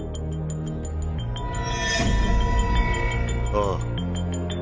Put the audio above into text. ああ。